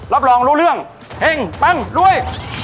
รับรองรู้เรื่องเฮ่งปังรวย